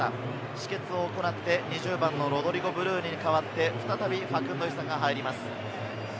止血を行って、ロドリゴ・ブルーニに代わって、再びファクンド・イサが入ります。